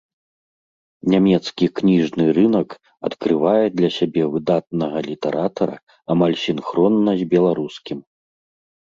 Нямецкі кніжны рынак адкрывае для сябе выдатнага літаратара амаль сінхронна з беларускім.